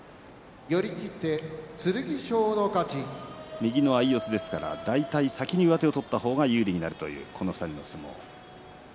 右の相四つですから先に上手を取った方が有利になるというこの２人の相撲。